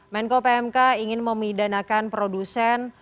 menko pmk ingin memidanakan produsen